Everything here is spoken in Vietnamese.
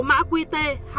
mã qt hai nghìn một mươi tám